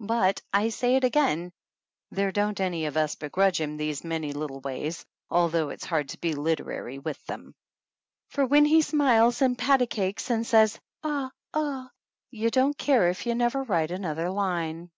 But I say it again, there don't any of us begrudge him these many little ways, al though it's hard to be literary with them; for when he smiles and "pat a cakes" and says "Ah ! ah !" you don't care if you never write another line.